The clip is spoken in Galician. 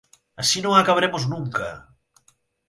_¡Así non acabaremos nunca!